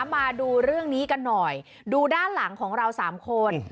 มาดูเรื่องนี้กันหน่อยดูด้านหลังของเราสามคน